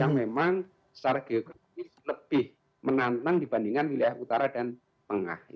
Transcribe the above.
yang memang secara geografis lebih menantang dibandingkan wilayah utara dan tengah